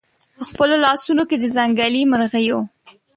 خپلو لاسونو کې د ځنګلي مرغیو